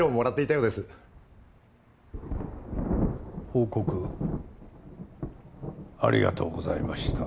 報告ありがとうございました。